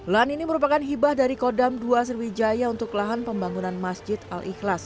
lahan ini merupakan hibah dari kodam ii sriwijaya untuk lahan pembangunan masjid al ikhlas